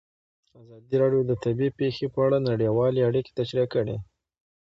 ازادي راډیو د طبیعي پېښې په اړه نړیوالې اړیکې تشریح کړي.